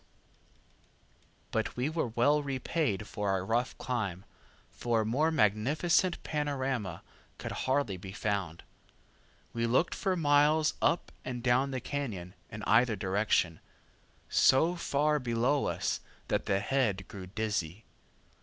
[Illustration: WILD CAT CAÑON] But we were well repaid for our rough climb, for a more magnificent panorama could hardly be found. We looked for miles up and down the cañon, in either direction, so far below us that the head grew dizzy.